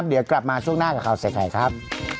เดี๋ยวกลับมาช่วงหน้ากับเขาเสร็จใหม่ครับ